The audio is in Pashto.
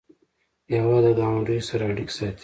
هېواد د ګاونډیو سره اړیکې ساتي.